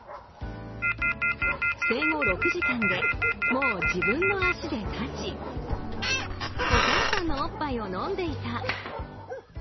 生後６時間でもう自分の足で立ちお母さんのおっぱいを飲んでいた。